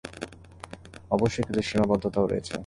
অবশ্যই কিছু সীমাবদ্ধতাও রয়েছে।